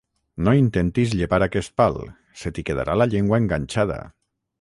No intentis llepar aquest pal, se t'hi quedarà la llengua enganxada!